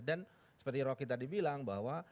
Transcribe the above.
dan seperti rocky tadi bilang bahwa